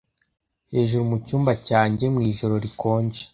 Hejuru mu cyumba cyanjye mu ijoro rikonje